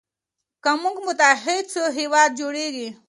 که موږ متحد سو هیواد جوړیږي.